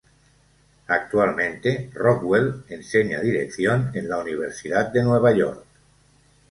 Actualmente, Rockwell enseña dirección en la Universidad de Nueva York.